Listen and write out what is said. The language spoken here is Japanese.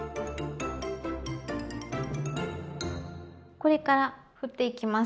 これからふっていきます。